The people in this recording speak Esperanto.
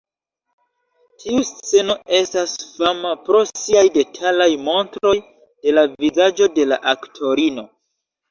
Tiu sceno estas fama pro siaj detalaj montroj de la vizaĝo de la aktorino.